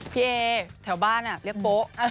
พี่เอแถวบ้านเรียกโป๊ะ